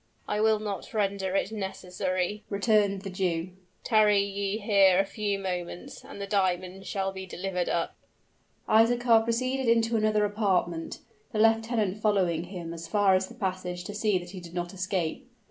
"I will not render it necessary," returned the Jew. "Tarry ye here a few moments and the diamonds shall be delivered up." Isaachar proceeded into another apartment, the lieutenant following him as far as the passage to see that he did not escape.